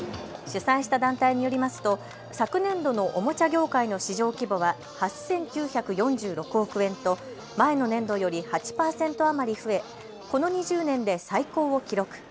主催した団体によりますと昨年度のおもちゃ業界の市場規模は８９４６億円と前の年度より８％余り増えこの２０年で最高を記録。